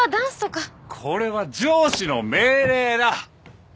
これは上司の命令だ。